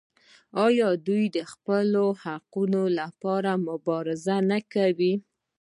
آیا دوی د خپلو حقونو لپاره مبارزه نه کوي؟